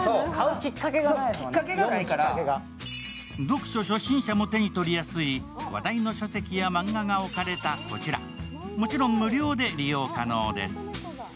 読書初心者も手に取りやすい話題の書籍や漫画が置かれたこちらもちろん無料で利用可能です。